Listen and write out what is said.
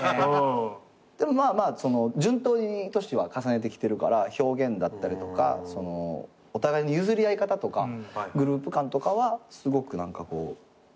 でもまあまあ順当に全員年は重ねてきてるから表現だったりとかお互いの譲り合い方とかグループ感とかはすごく何かこう何だろうな？